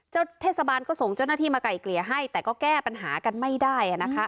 เจ้าเทศบาลก็ส่งเจ้าหน้าที่มาไก่เกลี่ยให้แต่ก็แก้ปัญหากันไม่ได้นะคะ